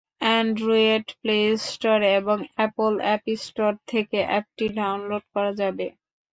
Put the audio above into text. Android Play Store এবং Apple app store থেকে অ্যাপটি ডাউনলোড করা যাবে।